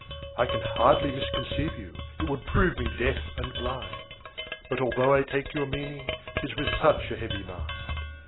°1 I can hardly misconceive you; it would prove me deaf and blind; But altho' I take your meaning, 'tis with such a heavy mind!